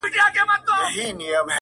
عقل په پیسو نه رانیول کېږي -